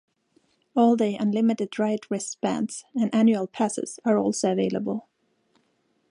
All-day unlimited ride wristbands and annual passes are also available.